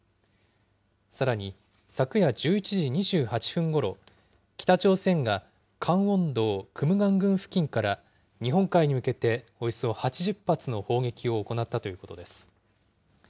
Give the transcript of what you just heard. さらに、昨夜１１時２８分ごろ、北朝鮮がカンウォン道クムガン郡付近から日本海に向けておよそ８０発の砲撃を行ったということです。